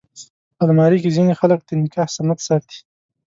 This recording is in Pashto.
الماري کې ځینې خلک د نکاح سند ساتي